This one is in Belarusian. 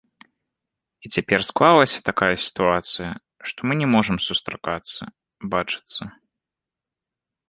І цяпер склалася такая сітуацыя, што мы не можам сустракацца, бачыцца.